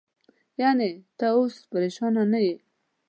یعنې، ته اوس پرېشانه نه یې؟